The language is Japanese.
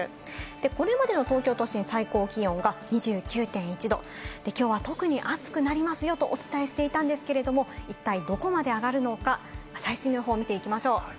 これまでの東京都心最高気温が２９．１℃できょうは特に暑くなりますよとお伝えしていたんですけれども、一体どこまで上がるのか、最新の予報を見ていきましょう。